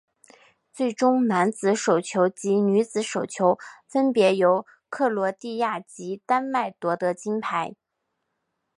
最终男子手球及女子手球分别由克罗地亚及丹麦夺得金牌。